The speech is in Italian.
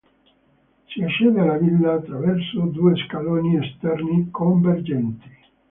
Si accede alla villa attraverso due scaloni esterni convergenti.